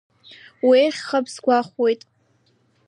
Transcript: Уеиӷьхап сгәахәуеит.